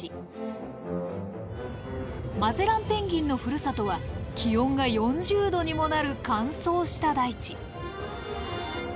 マゼランペンギンのふるさとは気温が４０度にもなる乾燥した大地。